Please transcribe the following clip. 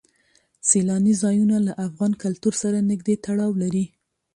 سیلاني ځایونه له افغان کلتور سره نږدې تړاو لري.